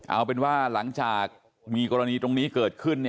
เอาเป็นว่าหลังจากมีกรณีตรงนี้เกิดขึ้น